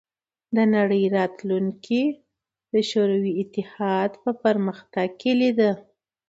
د نړۍ راتلونکې د شوروي اتحاد په پرمختګ کې لیده